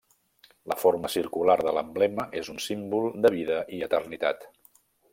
La forma circular de l'emblema és un símbol de vida i eternitat.